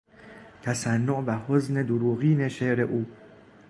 تصنع و حزن دروغین شعر او